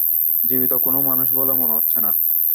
জীবিত কোনো মানুষ বলে মনে হচ্ছে না।